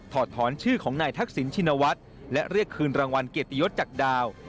อดถอนชื่อของนายทักษิณชินวัฒน์และเรียกคืนรางวัลเกียรติยศจากดาว